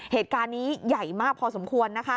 เหตุการณ์นี้ใหญ่มากพอสมควร